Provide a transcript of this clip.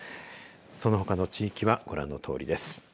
そのほかの地域はご覧のとおりです。